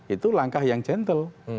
itu langkah yang gentle